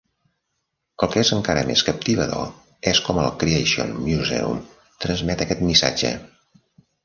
El que és encara més captivador és com el Creation Museum transmet aquest missatge.